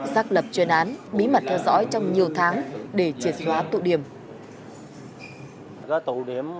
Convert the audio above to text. xác lập chuyên án bí mật theo dõi trong nhiều tháng để triệt xóa tụ điểm